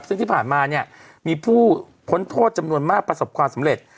ซึ่งที่ผ่านมาเนี่ยมีผู้พ้นโทษจำนวนมากประสบความสำเร็จ